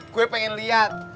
gue pengen lihat